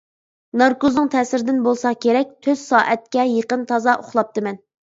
ناركوزنىڭ تەسىرىدىن بولسا كېرەك، تۆت سائەتكە يېقىن تازا ئۇخلاپتىمەن.